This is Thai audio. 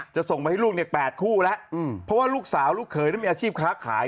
ส่งมาให้ลูกเนี่ย๘คู่แล้วเพราะว่าลูกสาวลูกเขยนั้นมีอาชีพค้าขาย